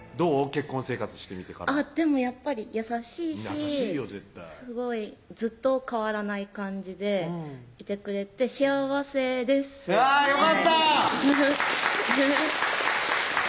結婚生活してみてからでもやっぱり優しいしすごいずっと変わらない感じでいてくれて幸せですあぁよかった！